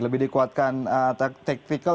lebih dikuatkan taktikal